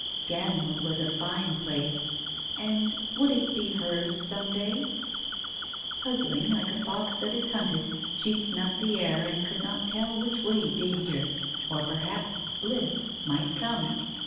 Scanwood was a fine place, and would it be hers some day ? Puzzled, like a fox that is hunted, she snuffed the air and could not tell which way danger, or perhaps bliss, might come.